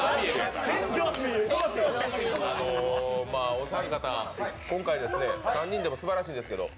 お三方、今回、３人でもすばらしいですけど。